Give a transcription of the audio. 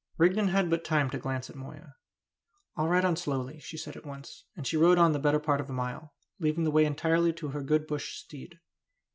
Rigden had but time to glance at Moya. "I'll ride on slowly," she said at once; and she rode on the better part of a mile, leaving the way entirely to her good bush steed.